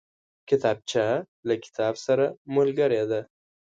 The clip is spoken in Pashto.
کتابچه له کتاب سره ملګرې ده